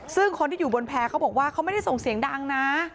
ซึ่งคนที่อยู่บนแพร่เขาบอกว่าเขาไม่ได้ส่งเสียงดังนะ